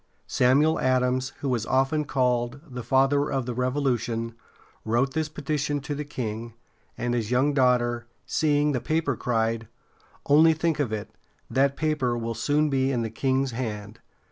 Samuel Adams, who is often called the "Father of the Revolution," wrote this petition to the king; and his young daughter, seeing the paper, cried: "Only think of it; that paper will soon be in the king's hand!"